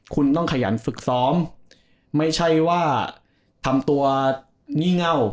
คุณต้องขยันฝึกซ้อมไม่ใช่ว่าทำตัวงี่เง่า